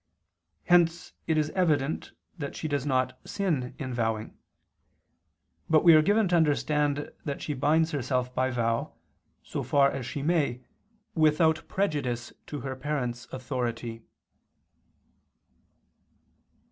Hence it is evident that she does not sin in vowing. But we are given to understand that she binds herself by vow, so far as she may, without prejudice to her parents' authority.